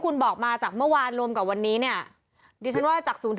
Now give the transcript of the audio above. คุณบอกมาจากเมื่อวานรวมกับวันนี้เนี่ยดิฉันว่าจาก๐๖